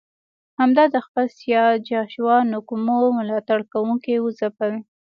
هغه د خپل سیال جاشوا نکومو ملاتړ کوونکي وځپل.